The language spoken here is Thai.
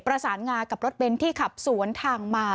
ประสานงากับรถเบนท์ที่ขับสวนทางมา